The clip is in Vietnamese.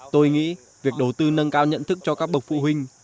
tôi nghĩ việc đầu tư nâng cao nhận thức cho các bậc phụ huynh